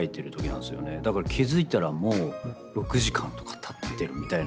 だから気付いたらもう６時間とかたってるみたいな。